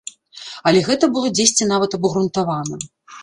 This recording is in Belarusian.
Але гэта было дзесьці нават абгрунтавана.